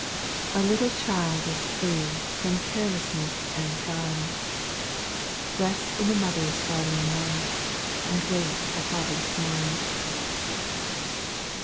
3. A little child is free From carefulness and guile, Rests in a mother's guardian love, And Wfiits a father's smile.